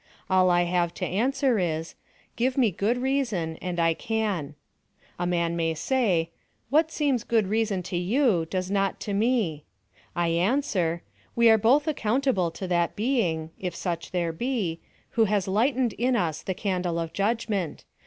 All I have to answer is Give me good reason, and I can. A man may say "What seems good reason to you, does not to me." I answer, "We are both accountable to that being, if such there be, who has lighted in us the candle of judgment.